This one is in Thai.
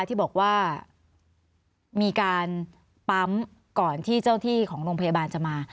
ที่บอกว่ามีการปั๊มก่อนที่เจ้าที่ของโรงพยาบาลจะมา